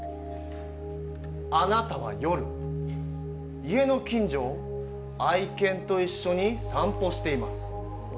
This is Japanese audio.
あなたは夜、家の近所を愛犬と一緒に散歩しています。